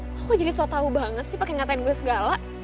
lo jadi so tau banget sih pake ngatain gue segala